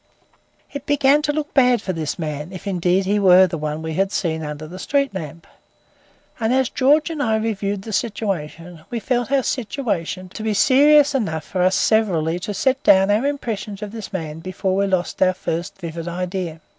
It began to look bad for this man, if indeed he were the one we had seen under the street lamp; and, as George and I reviewed the situation, we felt our position to be serious enough for us severally to set down our impressions of this man before we lost our first vivid idea.